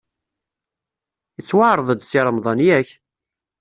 Ittwaɛreḍ-d Si Remḍan, yak?